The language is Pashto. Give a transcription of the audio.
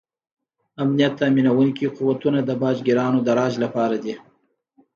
امنیت تامینونکي قوتونه د باج ګیرانو د راج لپاره دي.